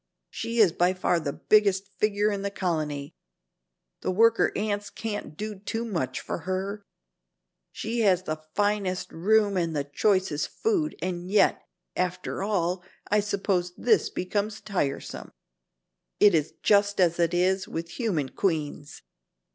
She is by far the biggest figure in the colony. The worker ants can't do too much for her. She has the finest room and the choicest food, and yet, after all, I suppose this becomes tiresome. It is just as it is with human queens.